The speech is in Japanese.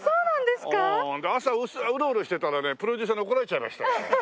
で朝うろうろしてたらねプロデューサーに怒られちゃいました。